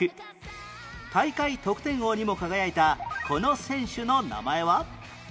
大会得点王にも輝いたこの選手の名前は？